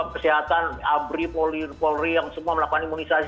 kesehatan abri polri yang semua melakukan imunisasi